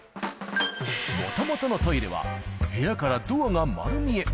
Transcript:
もともとのトイレは、部屋からドアがまる見え。